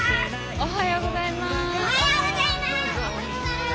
おはようございます！